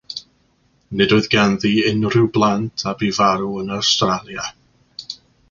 Nid oedd ganddi unrhyw blant a bu farw yn Awstralia.